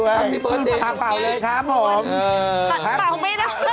ปีนี้อายุเท่าไหร่แล้ว